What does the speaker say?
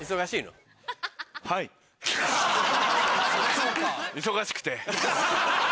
そうか。